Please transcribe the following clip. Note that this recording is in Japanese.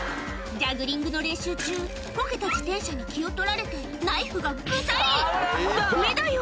ジャグリングの練習中こけた自転車に気を取られてナイフがグサリダメだよ